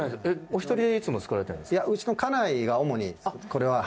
１人でいつも作られているんですか？